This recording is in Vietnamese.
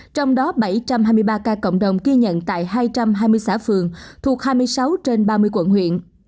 trong đó bảy trăm hai mươi ba ca cộng đồng ghi nhận tại hai trăm hai mươi xã phường thuộc hai mươi sáu trên ba mươi quận huyện